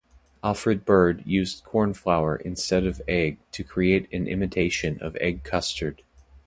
Alfred Bird used cornflour instead of egg to create an imitation of egg custard.